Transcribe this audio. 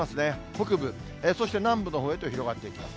北部、そして南部のほうへと広がっていきます。